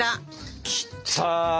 きた！